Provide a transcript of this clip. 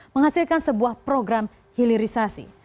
menghasilkan sebuah program hilirisasi